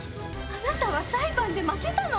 あなたは裁判で負けたの。